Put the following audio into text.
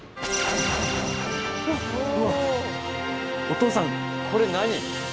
お父さんこれ何？